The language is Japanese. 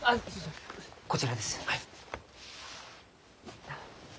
こちらです。